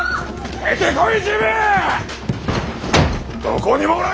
・・出てこい！